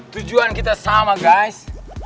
tujuan kita sama guys